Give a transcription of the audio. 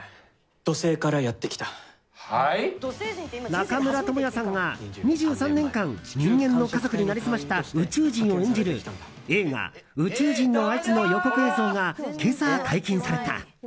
中村倫也さんが２３年間人間の家族に成り済ました宇宙人を演じる映画「宇宙人のあいつ」の予告映像が今朝、解禁された。